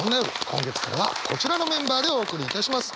今月からはこちらのメンバーでお送りいたします。